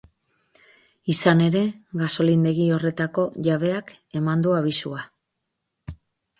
Izan ere, gasolindegi horretako jabeak eman du abisua.